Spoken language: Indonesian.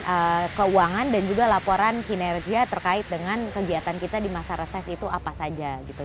dari keuangan dan juga laporan kinerja terkait dengan kegiatan kita di masa reses itu apa saja gitu